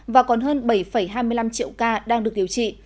và còn hơn bảy hai mươi năm triệu ca đang được điều trị